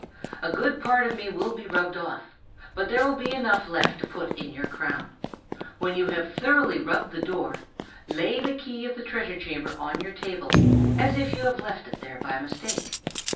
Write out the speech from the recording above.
A good part of me will be rubbed off, but there will be enough left to put in your crown. When you have thoroughly rubbed the door, lay the key of the treasure chamber on your table, as if you had left it there by mistake.